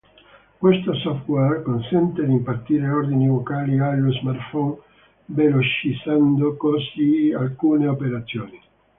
Questo software consente di impartire ordini vocali allo smartphone velocizzando così alcune operazioni.